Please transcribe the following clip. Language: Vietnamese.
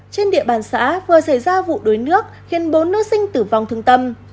trên địa bàn xã vừa xảy ra vụ đuối nước khiến bốn nữ sinh tử vong thương tâm